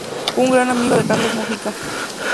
Fue un gran amigo de Carlos Mugica.